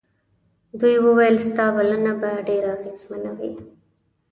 دوی وویل ستا بلنه به ډېره اغېزمنه وي.